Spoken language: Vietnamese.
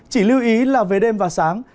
chỉ lưu ý là về đêm và sáng